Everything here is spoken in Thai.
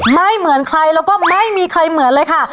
ไม่เหมือนใครแล้วก็ไม่มีใครเหมือนเลยค่ะ